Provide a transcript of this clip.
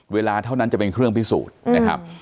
เวลาเท่านั้นจะเป็นเครื่องพิสูจน์นะครับ